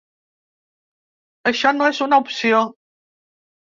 Això no és una opció.